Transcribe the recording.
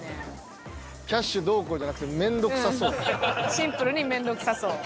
シンプルにめんどくさそう。